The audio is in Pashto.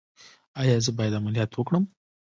ایا زه باید عملیات وکړم؟